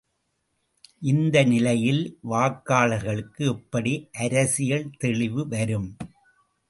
இந்த நிலையில் வாக்காளர்களுக்கு எப்படி அரசியல் தெளிவு வரும்!